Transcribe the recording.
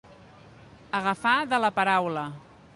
Agafar de la paraula.